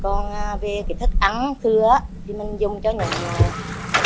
còn về thức ăn xưa thì mình dùng cho những con vật nuôi của gia đình